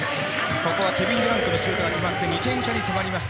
ここはケビンのシュートが決まって２点差に迫りました。